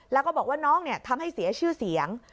แล้วก็บอกว่าน้องทำให้เสียชื่อเสียง